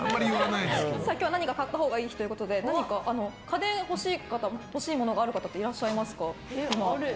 今日は何か買ったほうがいい日ということで何か、家電で欲しいものがある方いらっしゃいますか？